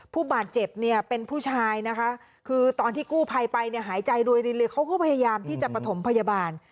ผู้บาดเจ็บเนี่ยเป็นผู้ชายนะคะคือตอนที่กู้ภัยไปเนี่ยหายใจรวยรินเลยเขาก็พยายามที่จะประถมพยาบาล